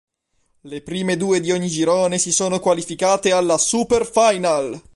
Le prime due di ogni girone si sono qualificate alla "Super Final".